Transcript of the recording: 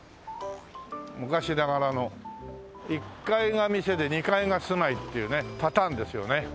昔ながらの１階が店で２階が住まいっていうねパターンですよね。